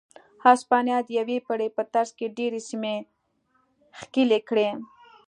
هسپانیا د یوې پېړۍ په ترڅ کې ډېرې سیمې ښکېلې کړې.